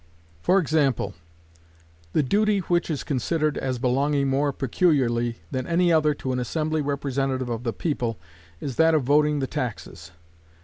For example, the duty which is considered as belonging more peculiarly than any other to an assembly representative of the people is that of voting the taxes.